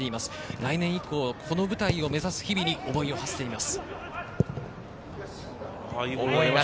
来年以降、この舞台を目指す日々に思いをはせています。